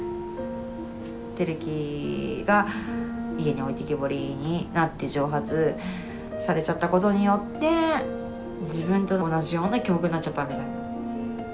輝希が家に置いてけぼりになって蒸発されちゃったことによって自分と同じような境遇になっちゃったみたいな。